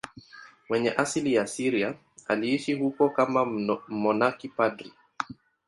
Mwenye asili ya Syria, aliishi huko kama mmonaki padri.